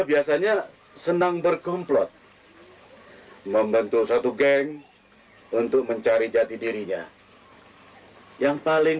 biasanya senang berkumplot membentuk satu geng untuk mencari jati dirinya yang paling